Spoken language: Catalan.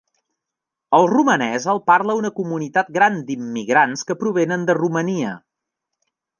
El romanès el parla una comunitat gran d"immigrants que provenen de Romania.